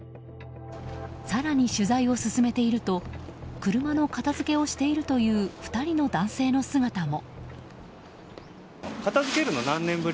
更に取材を進めていると車の片づけをしているという２人の男性の姿も。